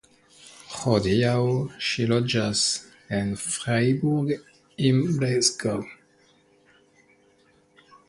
Hodiaŭ ŝi loĝas en Freiburg im Breisgau.